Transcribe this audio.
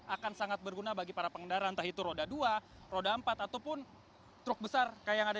akan sangat berguna bagi para pengendara entah itu roda dua roda empat ataupun truk besar yang ada